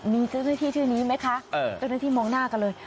มีเจ้าหน้าที่ชื่อนี้ไหมคะเจ้าหน้าที่มองหน้ากันเลย